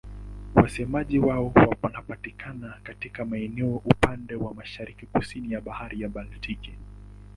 Wasemaji wao wanapatikana katika maeneo upande wa mashariki-kusini ya Bahari Baltiki.